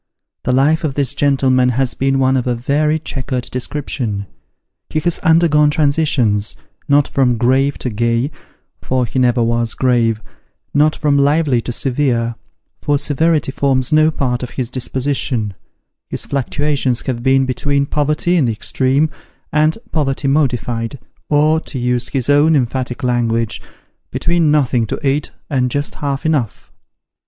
The life of this gentleman has been one of a very chequered description : he has undergone transitions not from grave to gay, for he never was grave not from lively to severe, for severity forms no part of his disposition ; his fluctuations have been between poverty in the extreme, and poverty modified, or, to use his own emphatic language, " between nothing to eat and just half enough."